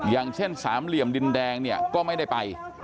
อย่างเช่นสามเหลี่ยมดินแดงเนี่ยก็ไม่ได้ไป